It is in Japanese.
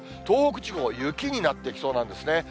東北地方、雪になってきそうなんですね。